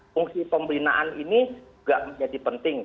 fungsi pembinaan ini juga menjadi penting